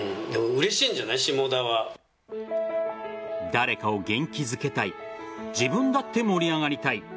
誰かを元気づけたい自分だって盛り上がりたい。